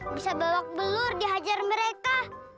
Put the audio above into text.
bisa bawa ke belur dihajar mereka